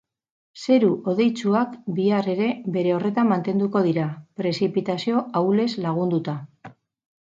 Zeru hodeitsuak bihar ere bere horretan mantenduko dira, prezipitazio ahulez lagunduta.